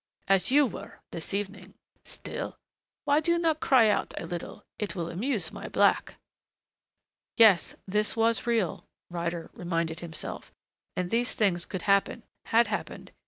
As you were, this evening.... Still, why do you not cry out a little? It will amuse my black." Yes, this was real, Ryder reminded himself. And these things could happen had happened.